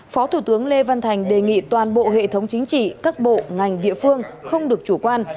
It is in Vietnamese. phó thủ tướng lê văn thành đề nghị toàn bộ hệ thống chính trị các bộ ngành địa phương không được chủ quan